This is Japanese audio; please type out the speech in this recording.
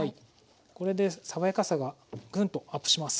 これで爽やかさがグンとアップします。